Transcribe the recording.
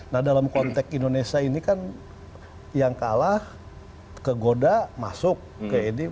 nah dalam konteks indonesia ini kan yang kalah kegoda masuk ke edip